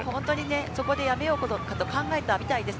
そこでやめようかと考えたみたいです。